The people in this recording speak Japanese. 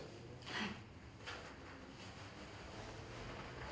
はい。